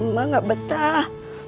mak enggak betah